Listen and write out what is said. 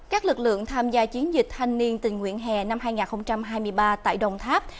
các lực lượng tham gia chiến dịch thanh niên tình nguyện hè năm hai nghìn hai mươi ba tại đồng tháp